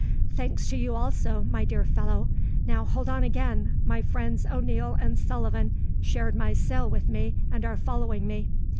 "Thanks to you also, my dear fellow. Now, hold on again. My friends O'Neil and O'Sullivan shared my cell with me, and are following me."